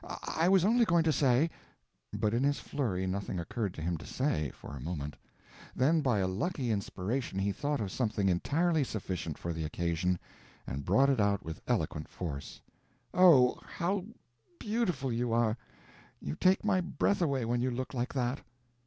I was only going to say"—but in his flurry nothing occurred to him to say, for a moment; then by a lucky inspiration he thought of something entirely sufficient for the occasion, and brought it out with eloquent force: "Oh, how beautiful you are! You take my breath away when you look like that."